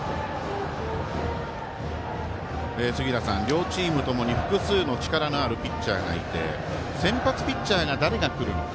杉浦さん、両チームともに複数の力のあるピッチャーがいて先発ピッチャーが誰がくるのか。